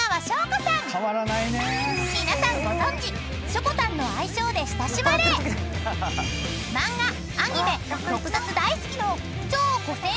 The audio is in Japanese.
［皆さんご存じしょこたんの愛称で親しまれ漫画アニメ特撮大好きの］